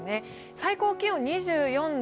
最高気温２４度。